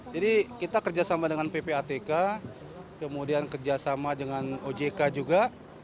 jadi kita kerjasama dengan ppatk kemudian kerjasama dengan ojk juga